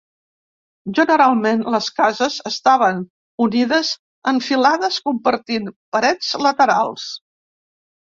Generalment les cases estaven unides en filades compartint parets laterals.